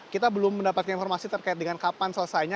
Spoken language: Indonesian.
kita belum mendapatkan informasi terkait dengan kapan selesainya